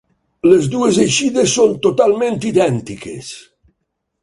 Les dues eixides són totalment idèntiques.